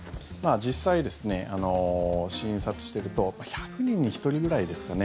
実際、診察していると１００人に１人ぐらいですかね。